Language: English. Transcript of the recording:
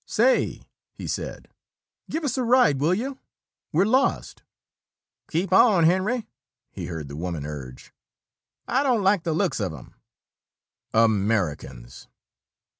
"Say!" he said. "Give us a ride, will you? We're lost." "Keep on, Henry!" he heard the woman urge. "I don't like the looks of 'em." Americans!